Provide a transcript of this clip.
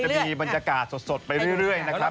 มีบรรยากาศสดไปเรื่อยนะครับ